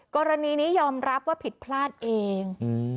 กรณีนี้ยอมรับว่าผิดพลาดเอง